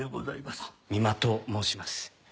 三馬と申します。